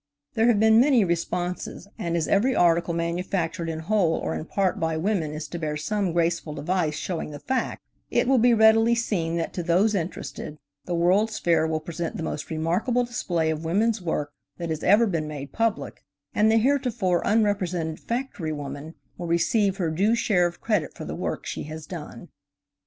There have been many responses, and as every article manufactured in whole or in part by women is to bear some graceful device showing the fact, it will be readily seen that to those interested, the World's Fair will present the most remarkable display of women's work that has ever been made public, and the heretofore unrepresented factory woman will receive her due share of credit for the work she has done.